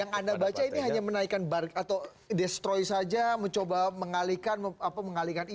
yang anda baca ini hanya menaikan bar atau destroy saja mencoba mengalihkan isu atau mengetahui atau